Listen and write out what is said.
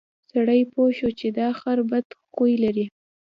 سړي پوه شو چې دا خر بد خوی لري.